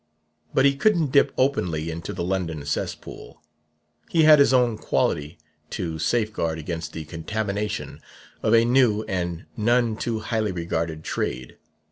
But he couldn't dip openly into the London cesspool; he had his own quality to safeguard against the contamination of a new and none too highly regarded trade.